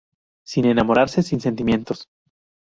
Sin enamorarse, sin sentimientos.